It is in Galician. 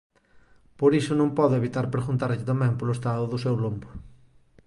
Por iso non podo evitar preguntarlle tamén polo estado do seu lombo.